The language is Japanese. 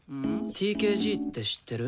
ＴＫＧって知ってる？